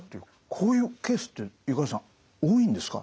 こういうケースって五十嵐さん多いんですか？